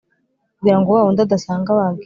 kugira ngo wa wundi adasanga wagiye,